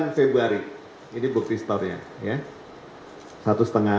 sembilan februari ini bukti storenya ya